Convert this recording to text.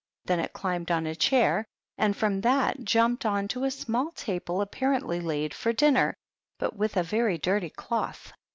Then it climbed on a chair, and from that jumped on to a small table apparently laid for dinner, but with a very dirty cloth.